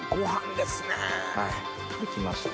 できました。